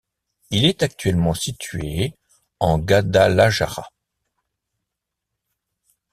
Il est actuellement situé en Guadalajara.